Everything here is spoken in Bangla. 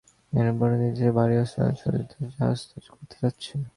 ইম্পারেটর ইতিহাসের সবচেয়ে ভারী অস্ত্র-সস্ত্রে সজ্জিত জাহাজ, যা যাত্রা করতে চলেছে।